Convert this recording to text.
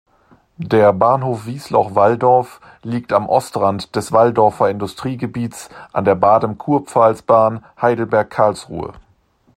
Der Bahnhof Wiesloch-Walldorf liegt am Ostrand des Walldorfer Industriegebiets an der Baden-Kurpfalz-Bahn Heidelberg–Karlsruhe.